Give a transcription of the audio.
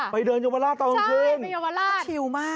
ไปเดินยาวราชตอนกลางคืน